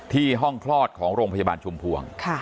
ที่ห้องคลอดของโรงพยาบาลชุมพวง